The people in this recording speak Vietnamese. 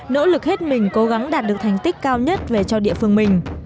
nỗ lực hết mình cố gắng đạt được thành tích cao nhất về cho địa phương mình